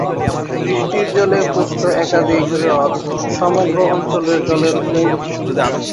বৃষ্টির জলে পুষ্ট একাধিক হ্রদ সমগ্র অঞ্চলের জলের মূল উৎস।